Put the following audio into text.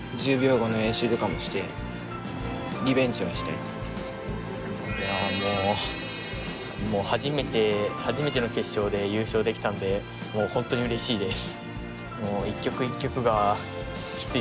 来年はもっといやもう初めての決勝で優勝できたんでもう本当にうれしいです。